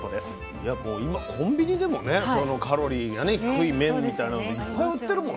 いやもう今コンビニでもねそのカロリーがね低い麺みたいなのいっぱい売ってるもんね。